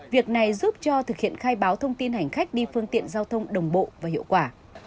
việc này giúp cho thực hiện khai báo thông tin hành khách đi phương tiện giao thông đồng bộ và hiệu quả